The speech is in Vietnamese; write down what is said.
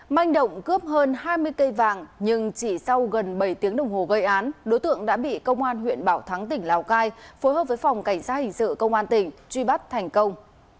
manh động cướp hơn hai mươi cây vàng nhưng chỉ sau gần bảy tiếng đồng hồ gây án đối tượng đã bị công an huyện bảo thắng tỉnh lào cai phối hợp với phòng cảnh sát hình sự công an tỉnh truy bắt thành công